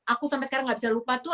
aku sampai sekarang gak bisa lupa tuh